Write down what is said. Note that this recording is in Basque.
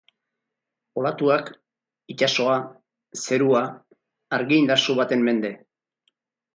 Olatuak, itsasoa, zerua, argi indartsu baten mende.